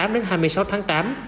đến hai mươi sáu tháng tám